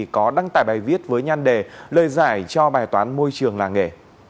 có đăng tải bài viết với nhan đề lời giải cho bài toán môi trường làng nghề